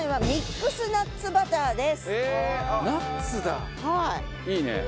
ミックスナッツバター